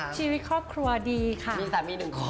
ชีวิตครอบครัวมิสมเป็นอย่างไรบ้างคะ